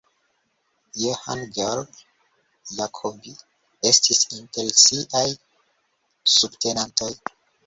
Johann Georg Jacobi estis inter siaj subtenantoj.